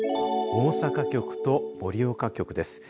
大阪局と盛岡局です。